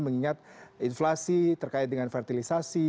mengingat inflasi terkait dengan fertilisasi